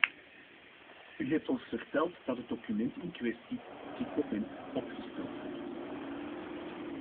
U hebt ons verteld dat het document in kwestie op dit moment opgesteld wordt.